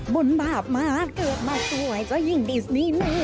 บุญบาปมากเกือบมาช่วยเจ้าหญิงดิสนี่เนี่ย